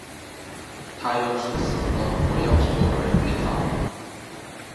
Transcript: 她要是死了，我要所有人陪葬！